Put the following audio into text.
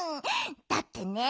だってね